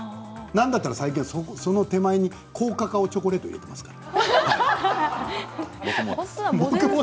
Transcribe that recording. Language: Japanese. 何だったらその手前に高カカオチョコレートいきますから。